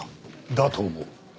だと思う。